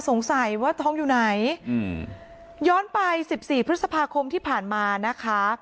สงสัยว่าทองอยู่ไหนอืมย้อนไปสิบสี่พฤษภาคมที่ผ่านมานะคะ